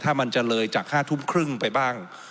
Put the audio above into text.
ถ้ามันจะเลยจาก๕ทุ่มครึ่งไปบ้าง